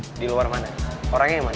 di luar mana orangnya yang mana